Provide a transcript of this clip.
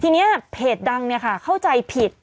ทีนี้เพจดังเนี่ยค่ะเข้าใจผิด